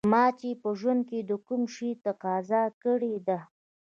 ما چې په ژوند کې د کوم شي تقاضا کړې ده